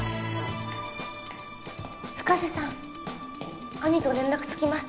深瀬さん兄と連絡つきました